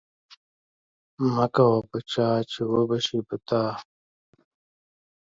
مه کوه په چا، چی وبه شي په تا